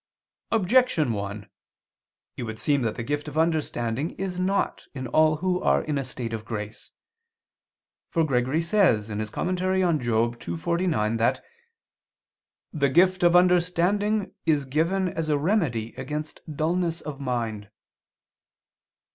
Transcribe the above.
Objection 1: It would seem that the gift of understanding is not in all who are in a state of grace. For Gregory says (Moral. ii, 49) that "the gift of understanding is given as a remedy against dulness of mind."